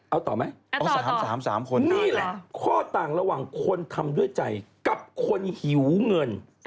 เอาต่อไหมเอา๓๓คนนี่แหละข้อต่างระหว่างคนทำด้วยใจกับคนหิวเงิน